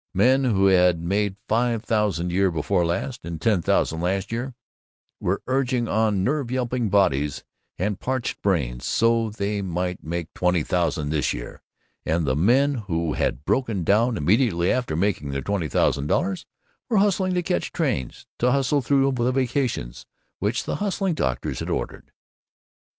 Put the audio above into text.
Men who had made five thousand, year before last, and ten thousand last year, were urging on nerve yelping bodies and parched brains so that they might make twenty thousand this year; and the men who had broken down immediately after making their twenty thousand dollars were hustling to catch trains, to hustle through the vacations which the hustling doctors had ordered.